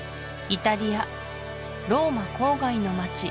イタリアローマ郊外の街